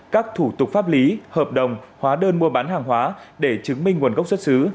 các thủ tục pháp lý hợp đồng hóa đơn mua bán hàng hóa để chứng minh nguồn gốc xuất xứ